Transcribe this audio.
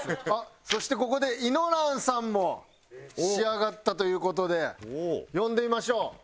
あっそしてここでＩＮＯＲＡＮさんも仕上がったという事で呼んでみましょう。